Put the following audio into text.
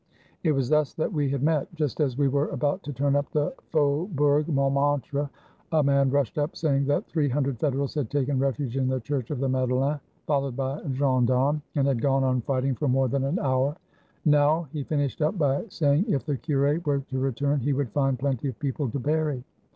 It was thus that we had met. Just as we were about to turn up the Faubourg Montmartre a man rushed up saying that three hundred Federals had taken refuge in the church of the Made leine, followed by gensdarmes, and had gone on fighting 417 FRANCE for more than an hour. "Now," he finished up by say ing, "if the cure were to return, he would find plenty of people to bury!"